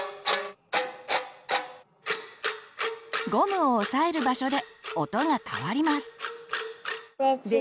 ゴムを押さえる場所で音が変わります。